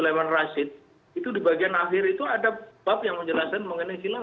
memakai kudung saja itu dituding anti pancasila